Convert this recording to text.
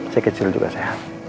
saya kecil juga sehat